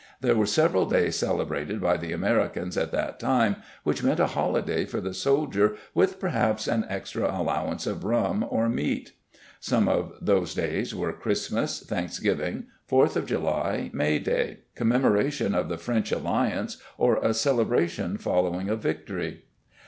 There were several days celebrated by the Americans at that time which meant a holiday for the soldier with perhaps an extra allowance of rum or meat. Some of those days were Christmas, Thanksgiving, Fourth of July, May day, Commemoration of the French Alliance, or a celebration following a victory.